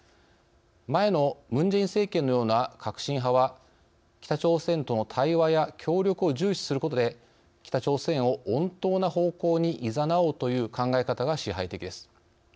前のムン・ジェイン政権のような革新派は北朝鮮との対話や協力を重視することで北朝鮮を穏当な方向にいざなおうという考え方が支配的です。